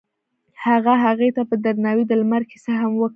هغه هغې ته په درناوي د لمر کیسه هم وکړه.